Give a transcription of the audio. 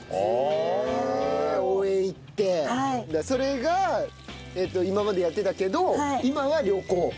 それが今までやってたけど今は旅行。